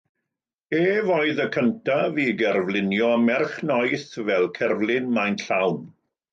Ef oedd y cyntaf i gerflunio merch noeth fel cerflun maint llawn.